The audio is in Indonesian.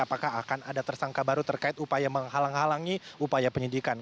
apakah akan ada tersangka baru terkait upaya menghalang halangi upaya penyidikan